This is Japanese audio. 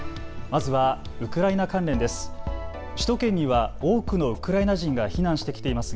まずはウクライナ関連です。